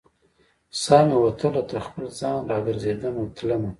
سا مې وتله تر خپل ځان، را ګرزیدمه تلمه